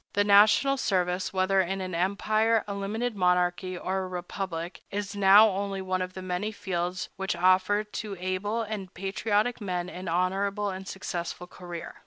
The national service, whether in an empire, a limited monarchy, or a republic, is now only one of many fields which offer to able and patriotic men an honorable and successful career.